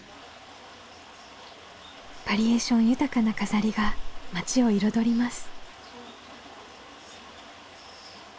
バリエーション豊かな飾りが町を彩ります。